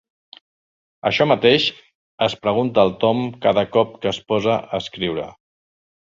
Això mateix es pregunta el Tom cada cop que es posa a escriure.